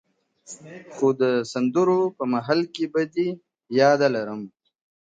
خو د سندرو په محل کي به دي ياده لرم~